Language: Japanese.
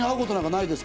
ないです！